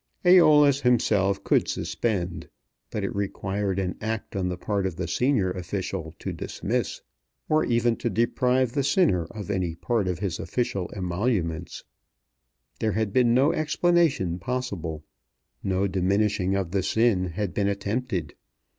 Æolus himself could suspend, but it required an act on the part of the senior officer to dismiss, or even to deprive the sinner of any part of his official emoluments. There had been no explanation possible. No diminishing of the sin had been attempted.